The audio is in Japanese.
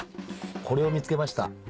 これを見つけました。